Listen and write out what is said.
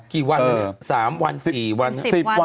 กี่วันเนี่ย๓วัน๔วัน